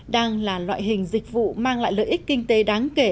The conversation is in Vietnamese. đang là loại hình dịch vụ mang lại lợi ích kinh tế đáng kể